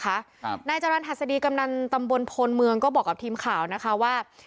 ครับนายจรรยหัสดีกำนันตำบลพลเมืองก็บอกกับทีมข่าวนะคะว่า